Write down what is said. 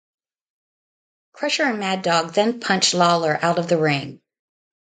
Crusher and Mad Dog then punched Lawler out of the ring.